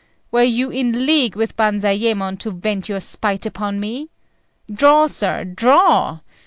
were you in league with Banzayémon to vent your spite upon me? Draw, sir, draw!